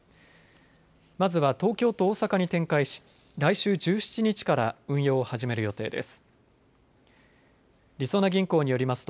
まずは東京と大阪に展開し来週１７日から運用を始める予定です。